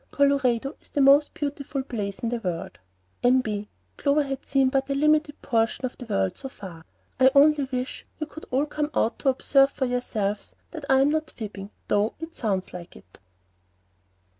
Colorado is the most beautiful place in the world. [N.B. Clover had seen but a limited portion of the world so far.] I only wish you could all come out to observe for yourselves that I am not fibbing, though it sounds like it!"